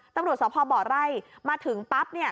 ตำรวจสพบไร่มาถึงปั๊บเนี่ย